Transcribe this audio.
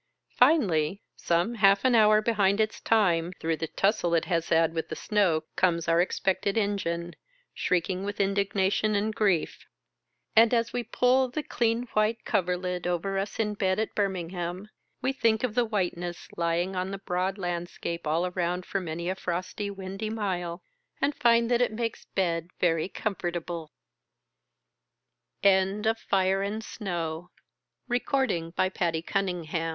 Finally, some half an hour behind its time through the tussle it has had with the snow, comes our expected engine, shrieking with indignation and grief. And as we pull the clean white coverlid over us in bed at Birmingham, we think of the whiteness lying on the broad landscape all around for many a frosty windy mile, and find that it makes bed very comforta